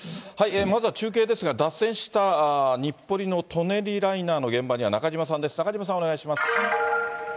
まずは中継ですが、脱線した日暮里の舎人ライナーの現場には中島さんです。